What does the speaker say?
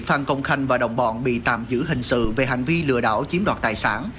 phan công khanh và đồng bọn bị tạm giữ hình sự về hành vi lừa đảo chiếm đoạt tài sản